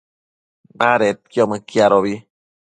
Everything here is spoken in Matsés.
badedquio mëquiadobi